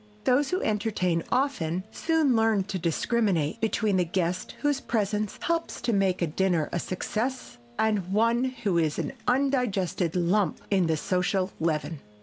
Those who entertain often soon learn to discriminate between the guest whose presence helps to make a dinner a success and one who is an undigested lump in the social leaven.